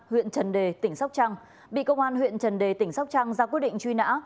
huyện trần đề tỉnh sóc trăng bị công an huyện trần đề tỉnh sóc trăng ra quyết định truy nã